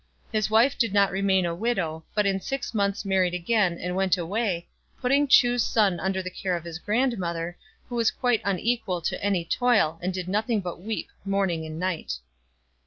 His wife did not remain a widow, but in six FROM A CHINESE STUDIO. 139 months married again and went away, putting Chu's son under the care of his grandmother, who was quite un equal to any toil, and did nothing but weep morning and night.